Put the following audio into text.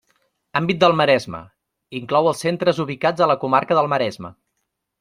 Àmbit del Maresme: inclou els centres ubicats a la comarca del Maresme.